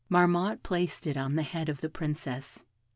Marmotte placed it on the head of the Princess.